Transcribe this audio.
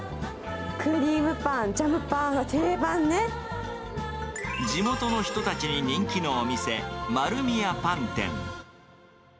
クリームパン、ジャムパン、地元の人たちに人気のお店、マルミヤパン店。